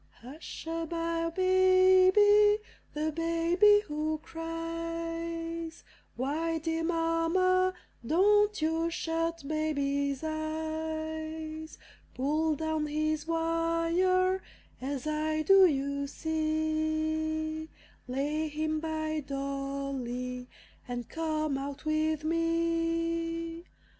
Hush a by, Baby! the baby who cries. Why, dear Mamma, don't you shut baby's eyes? Pull down his wire, as I do, you see; Lay him by Dolly, and come out with me.